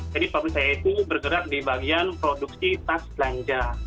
jadi pabrik saya itu bergerak di bagian produksi tas belanja